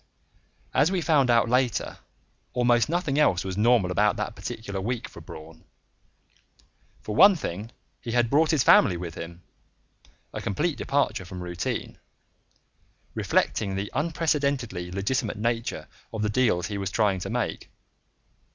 As we found out later, almost nothing else was normal about that particular week end for Braun. For one thing, he had brought his family with him a complete departure from routine reflecting the unprecedentedly legitimate nature of the deals he was trying to make.